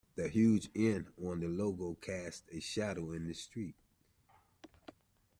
The huge N on the logo cast a shadow in the street.